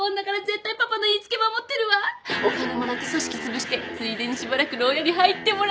お金もらって組織つぶしてついでにしばらく牢屋に入ってもらおう。